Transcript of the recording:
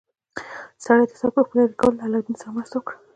سړي د سرپوښ په لرې کولو کې له علاوالدین سره مرسته وکړه.